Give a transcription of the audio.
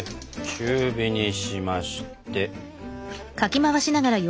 中火にしまして。